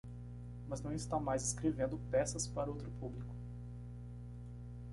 Mas não está mais escrevendo peças para outro público.